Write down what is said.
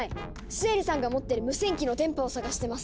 シエリさんが持ってる無線機の電波を探してます。